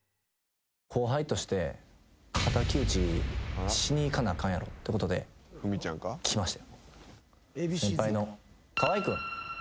後輩として敵討ちしに行かなあかんやろってことで来ました。